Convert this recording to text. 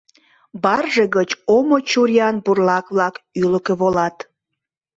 Барже гыч омо чуриян бурлак-влак ӱлыкӧ волат.